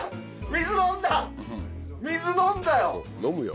水飲んだよ！